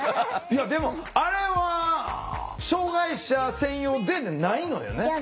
いやでもあれは障害者専用でないのよね？